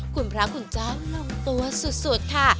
คุณพระคุณเจ้าลงตัวสุดค่ะ